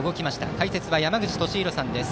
解説は山口敏弘さんです。